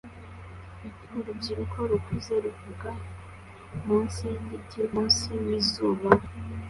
Urubyiruko rukuze ruvuga munsi yigiti kumunsi wizuba